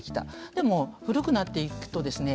でも古くなっていくとですね